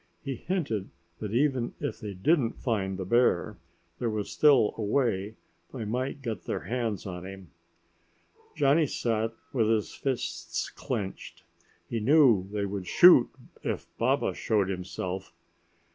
He hinted that even if they didn't find the bear, there was still a way they might get their hands on him. Johnny sat with his fists clenched. He knew they would shoot if Baba showed himself.